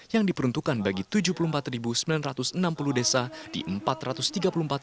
yang diperuntukkan bagi tujuh puluh empat sembilan ratus enam puluh desa di empat ratus rupiah